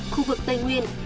khu vực tây nguyên